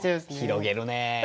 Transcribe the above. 広げるね。